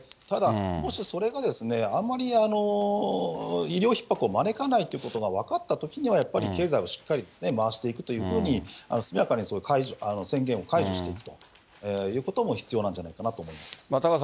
ただ、もしそれがあんまり医療ひっ迫を招かないということが分かったときには、やっぱり経済はしっかり回していくというふうに、速やかに宣言を解除していくということも必要なんじゃないかなと思います。